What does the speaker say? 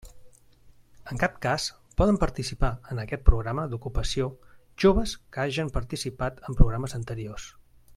En cap cas poden participar en aquest programa d'ocupació, joves que hagen participat en programes anteriors.